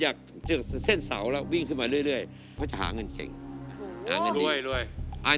อันนี้ก็โอเคถือว่าใช้ได้